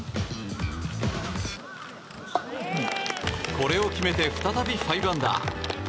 これを決めて、再び５アンダー。